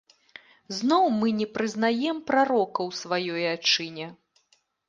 Зноў мы не прызнаем прарока ў сваёй айчыне.